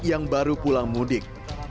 yang baru pulang mudik